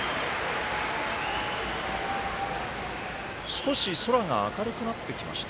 少し空が明るくなってきました。